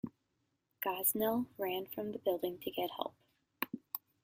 Gosnell ran from the building to get help.